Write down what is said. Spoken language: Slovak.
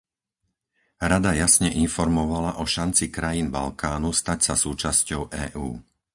Rada jasne informovala o šanci krajín Balkánu stať sa súčasťou EÚ.